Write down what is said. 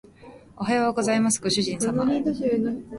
おはようございますご主人様